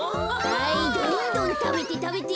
はいどんどんたべてたべて。